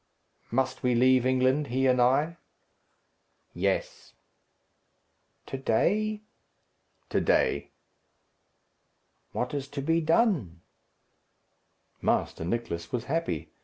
"Must we leave England, he and I?" "Yes." "To day?" "To day." "What is to be done?" Master Nicless was happy.